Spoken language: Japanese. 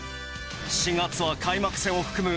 ４月は開幕戦を含む